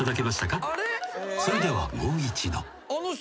［それではもう一度］